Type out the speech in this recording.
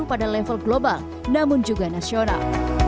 tetapi juga berpengaruh pada level global namun juga nasional